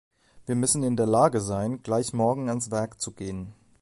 Wir müssen in der Lage sein, gleich morgen ans Werk zu gehen.